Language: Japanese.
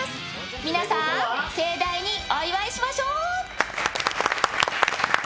皆さん、盛大にお祝いしましょう！